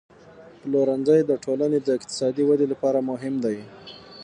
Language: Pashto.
پلورنځی د ټولنې د اقتصادي ودې لپاره مهم دی.